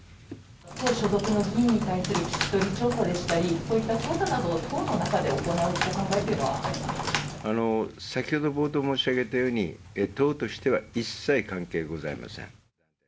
党所属の議員に対する聞き取り調査でしたり、そういった調査など、先ほど冒頭申し上げたように、党としては一切関係ございません。